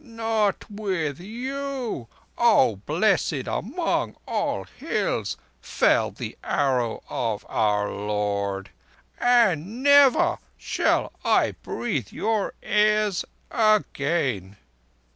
"Not with you, O blessed among all hills, fell the Arrow of Our Lord! And never shall I breathe your airs again!"